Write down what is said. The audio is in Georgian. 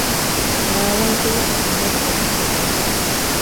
გამარჯვების აღსანიშნავად ხელქვეითებმა